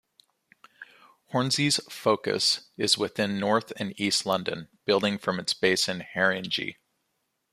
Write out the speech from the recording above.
Hornsey's focus is within north and east London, building from its base in Haringey.